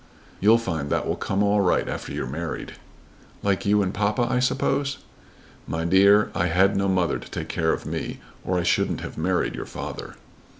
"You'll find that will come all right after you are married." "Like you and papa, I suppose." "My dear, I had no mother to take care of me, or I shouldn't have married your father."